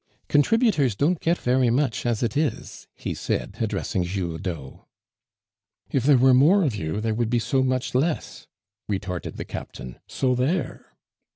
"Contributors don't get very much as it is," he said, addressing Giroudeau. "If there were more of you, there would be so much less," retorted the captain. "So there!"